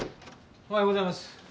おはようございます。